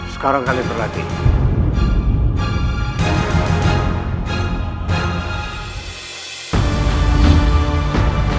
sekarang kalian berlatih